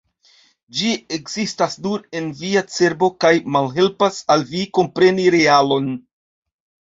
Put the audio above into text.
Ĝi ekzistas nur en via cerbo kaj malhelpas al vi kompreni realon.